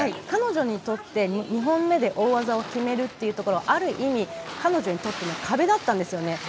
彼女にとって２本目で大技を決めるというところある意味、彼女にとっての壁だったんですよね。